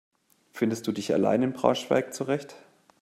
Findest du dich allein in Braunschweig zurecht?